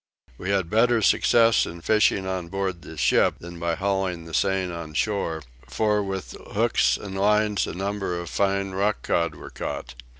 We had better success in fishing on board the ship than by hauling the seine on shore; for with hooks and lines a number of fine rock cod were caught.